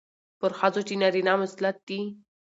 پر ښځو چې نارينه مسلط دي،